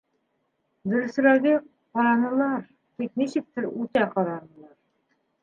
Дөрөҫөрәге, ҡаранылар, тик нисектер үтә ҡаранылар.